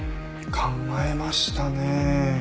考えましたねえ。